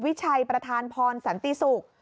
วิชัยประธานพรสันติศุกร์